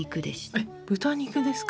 え豚肉ですか。